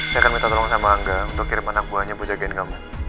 saya akan minta tolong sama angga untuk kirim anak buahnya bu jagain kamu